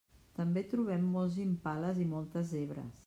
També trobem molts impales i moltes zebres.